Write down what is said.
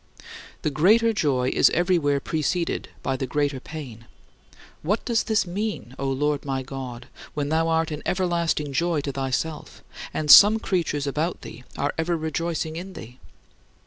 The greater joy is everywhere preceded by the greater pain. What does this mean, O Lord my God, when thou art an everlasting joy to thyself, and some creatures about thee are ever rejoicing in thee?